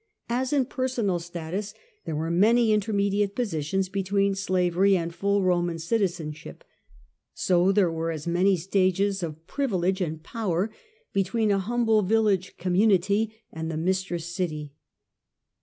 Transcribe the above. As in personal status there were many intermediate variety of positions between slavery and full Roman statuHrithe citizenship, so there were many stages of pri vilege and power between a humble village large ^ount community and the mistress city.